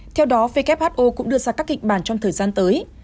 theo đó who cũng đưa ra các kịch bản trong thời gian tới